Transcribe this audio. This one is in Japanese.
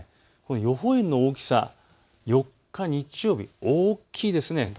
予報円の大きさ４日日曜日、大きいです。